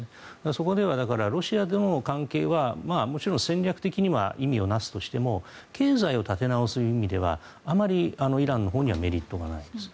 そこでもロシアはもちろん戦略的には意味を成すとしても経済を立て直すという意味ではあまりイランのほうにはメリットがないんです。